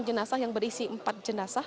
ada jumlah penyakit yang berisi empat jenazah